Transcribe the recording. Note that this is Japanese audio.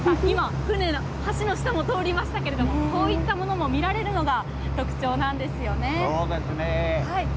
松永さん、今、船の橋の下も通りましたけれどもこういったものも見られるのが特徴なんですよね。